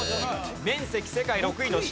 面積世界６位の島。